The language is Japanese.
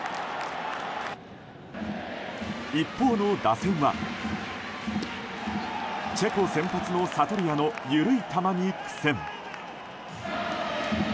一方の打線は、チェコ先発のサトリアの緩い球に苦戦。